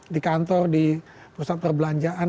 di kantor di pusat perbelanjaan